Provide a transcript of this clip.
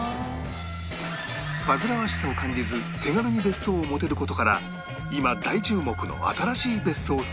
煩わしさを感じず手軽に別荘を持てる事から今大注目の新しい別荘スタイル